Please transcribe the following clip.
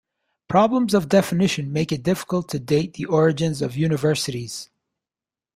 Problems of definition make it difficult to date the origins of universities.